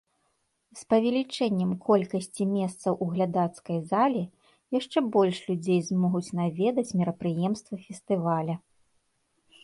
З павелічэннем колькасці месцаў у глядацкай зале яшчэ больш людзей змогуць наведаць мерапрыемствы фестываля.